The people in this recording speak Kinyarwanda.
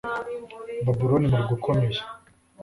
Babuloni murwa ukomeye